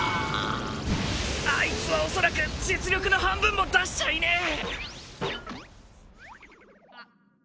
あいつは恐らく実力の半分も出しちゃいねえ